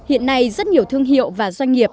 hiện nay rất nhiều thương hiệu và doanh nghiệp